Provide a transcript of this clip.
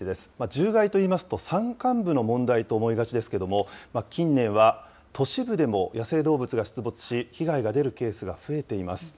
獣害といいますと、山間部の問題と思いがちですけれども、近年は都市部でも野生動物が出没し、被害が出るケースが増えています。